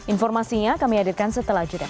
informasinya kami hadirkan setelah juda